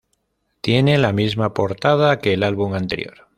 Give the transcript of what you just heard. Tiene la misma portada que el álbum anterior.